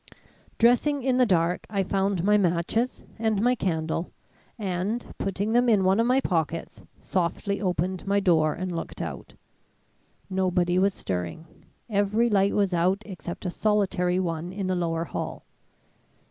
"Dressing in the dark, I found my matches and my candle and, putting them in one of my pockets, softly opened my door and looked out. Nobody was stirring; every light was out except a solitary one in the lower hall.